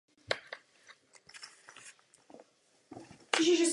S dosti velkým spádem teče směrem k jihu.